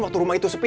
waktu rumah itu sepi